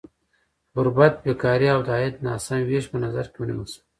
غربت، بېکاري او د عاید ناسم ویش په نظر کې ونیول شول.